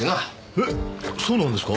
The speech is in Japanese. えっそうなんですか？